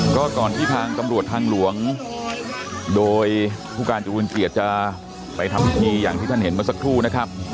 ก็ก่อนที่ทางตำรวจทางหลวงโดยผู้การจรูลเกียรติจะไปทำพิธีอย่างที่ท่านเห็นเมื่อสักครู่นะครับ